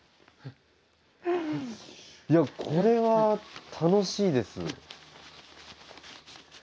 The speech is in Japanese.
いやこれは楽しいです。